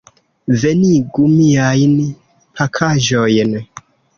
Venigu miajn pakaĵojn.